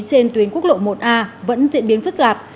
trên tuyến quốc lộ một a vẫn diễn biến phức tạp